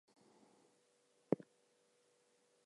This is the most festive observance of the year.